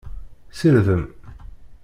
Sirdem!